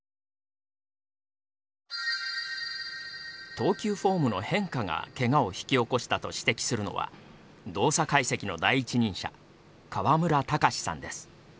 投球フォームの変化がけがを引き起こしたと指摘するのは動作解析の第一人者川村卓さんです。